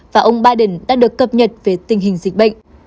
và ông biden đã được cập nhật về tình hình dịch bệnh